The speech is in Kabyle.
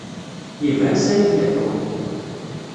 Iban sani tleḥḥum.